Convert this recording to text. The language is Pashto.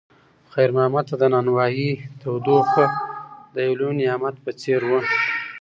خیر محمد ته د نانوایۍ تودوخه د یو لوی نعمت په څېر وه.